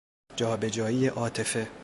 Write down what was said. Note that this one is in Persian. جا به جایی عاطفه